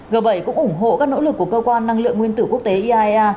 g bảy cũng ủng hộ các nỗ lực của cơ quan năng lượng nguyên tử quốc tế iaea